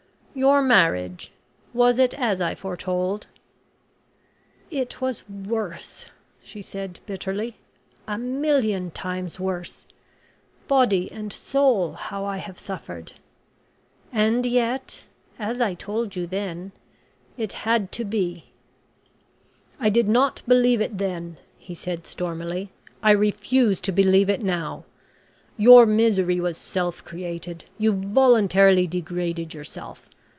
Your marriage was it as I foretold?" "It was worse," she said, bitterly "a million times worse! Body and soul, how I have suffered! And yet, as I told you then, it had to be." "I did not believe it then," he said stormily; "I refuse to believe it now. Your misery was self created. You voluntarily degraded yourself.